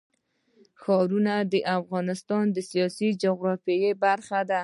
ښارونه د افغانستان د سیاسي جغرافیه برخه ده.